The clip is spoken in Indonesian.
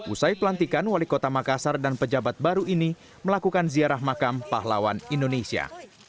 usai pelantikan wali kota makassar dan pejabat baru ini melakukan ziarah makam pahlawan indonesia